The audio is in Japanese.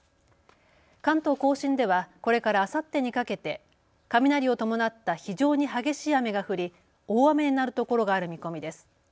関東甲信ではこれからあさってにかけて雷を伴った非常に激しい雨が降り大雨になる所がある見込みです。